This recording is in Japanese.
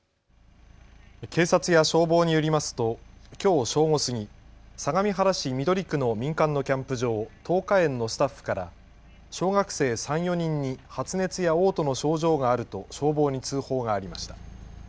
警察や消防によりますときょう正午過ぎ、相模原市緑区の民間のキャンプ場、桐花園のスタッフから小学生３、４人に発熱やおう吐の症状があると消防に通報がありました。